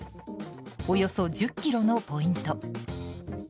およそ１０ｋｍのポイント。